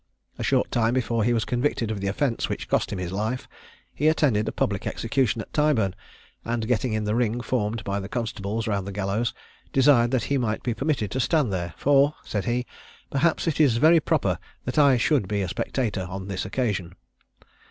A short time before he was convicted of the offence which cost him his life, he attended a public execution at Tyburn, and getting in the ring formed by the constables round the gallows, desired that he might be permitted to stand there, "for," said he, "perhaps it is very proper that I should be a spectator on this occasion."